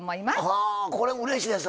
はこれもうれしいです。